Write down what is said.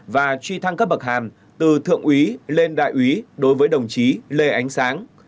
và truy thăng cấp bậc hàm từ thượng úy lên đại úy đối với đồng chí lê ánh sáng